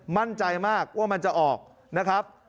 มั่นใจมากว่ามันจะออกนะครับ